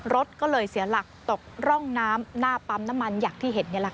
รถก็เลยเสียหลักตกร่องน้ำหน้าปั๊มน้ำมันอย่างที่เห็นนี่แหละค่ะ